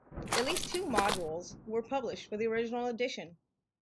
At least two modules were published for the original edition.